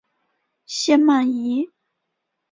谢曼怡。